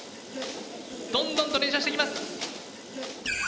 どんどんと連射していきます。